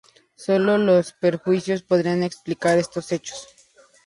Solo los prejuicios podrían explicar estos hechos.